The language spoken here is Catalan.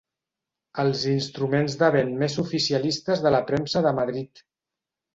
Els instruments de vent més oficialistes de la premsa de Madrid.